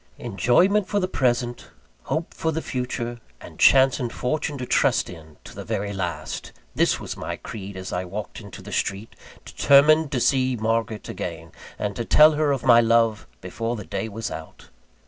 Enjoyment for the present, hope for the future, and chance and fortune to trust in to the very last! This was my creed, as I walked into the street, determined to see Margaret again, and to tell her of my love before the day was out.